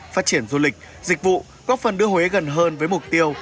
phát triển du lịch dịch vụ góp phần đưa huế gần hơn với mục tiêu